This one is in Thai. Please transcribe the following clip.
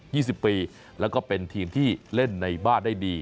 สิบปีแล้วก็เป็นทีมที่เล่นในบ้านได้ดี